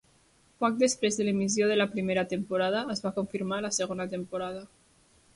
Poc després de l'emissió de la primera temporada es va confirmar la segona temporada.